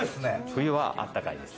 冬は暖かいです。